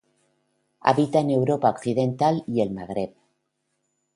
Habita en Europa occidental y el Magreb.